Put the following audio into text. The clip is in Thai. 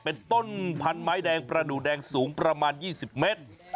เป็นต้นพันไม้แดงประดูกแดงสูงประมาณ๒๐เมตร